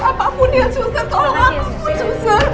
tolong apapun ya suster